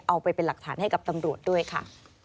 เอาไปเป็นหลักฐานให้กับตำรวจด้วยค่ะ